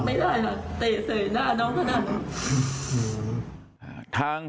รับไม่ได้แต่เสยหน้าน้องเท่านั้น